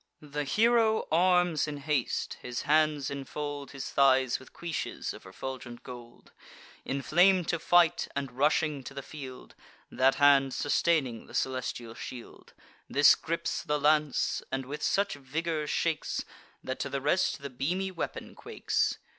The hero arms in haste; his hands infold His thighs with cuishes of refulgent gold: Inflam'd to fight, and rushing to the field, That hand sustaining the celestial shield, This gripes the lance, and with such vigour shakes, That to the rest the beamy weapon quakes.